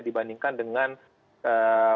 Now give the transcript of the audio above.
dibandingkan dengan ee